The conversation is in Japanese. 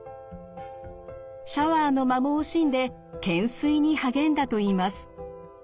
シャワーの間も惜しんで懸垂に励んだといいます。